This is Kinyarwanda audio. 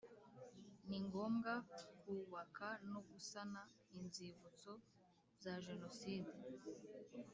Ni ngombwa kubaka no gusana Inzibutso za Jenoside